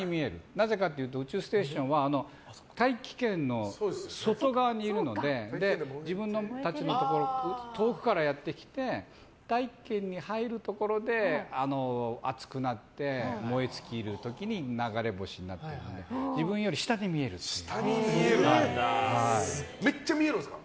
なぜかというと宇宙ステーションは大気圏の外側にいるので自分たちのところに遠くからやってきて大気圏に入るところで熱くなって燃え尽きる時に流れ星になっていくのでめっちゃ見えるんですか？